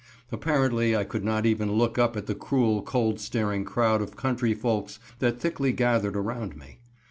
Apparently I could not even look up at the cruel, cold staring crowd of country folks that thickly gathered around me.